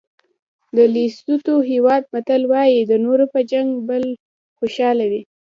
د لېسوتو هېواد متل وایي د نورو په جنګ بل خوشحاله وي.